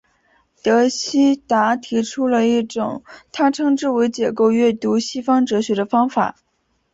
德希达提出了一种他称之为解构阅读西方哲学的方法。